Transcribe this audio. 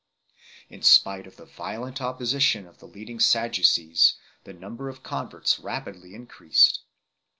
In spite of the violent opposition of the leading Sadducees, the number of converts rapidly increased.